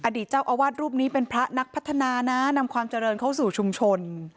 เจ้าอาวาสรูปนี้เป็นพระนักพัฒนานะนำความเจริญเข้าสู่ชุมชน